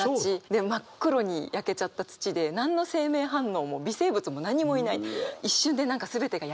で真っ黒に焼けちゃった土で何の生命反応も微生物も何もいない。